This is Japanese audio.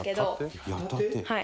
はい。